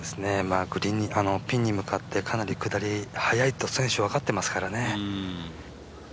ピンに向かってかなり下り、速いと選手は分かっていますからね。